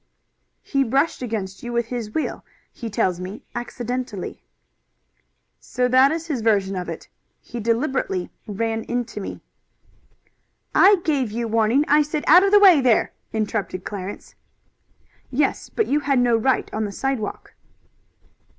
"He brushed against you with his wheel, he tells me, accidentally." "So that is his version of it? He deliberately ran into me." "I gave you warning. I said 'Out of the way, there!'" interrupted Clarence. "Yes, but you had no right on the sidewalk."